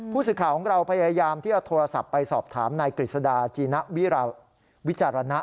ผู้สื่อข่าวของเราพยายามที่จะโทรศัพท์ไปสอบถามนายกฤษดาจีณวิจารณะ